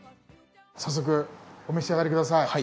早速お召し上がりください。